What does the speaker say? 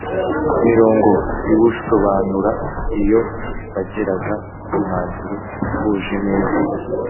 mirongo iwusobanura Iyo bageraga ku mwanzuro uhuje neza